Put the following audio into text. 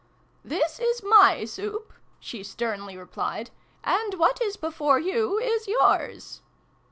" This is my soup," she sternly replied :" and what is before you is yours."